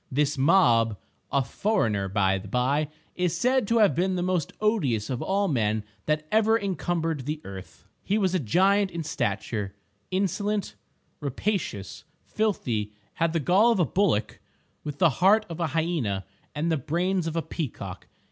This Mob (a foreigner, by the by), is said to have been the most odious of all men that ever encumbered the earth. He was a giant in stature—insolent, rapacious, filthy, had the gall of a bullock with the heart of a hyena and the brains of a peacock.